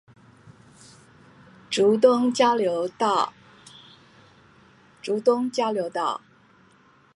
竹東一交流道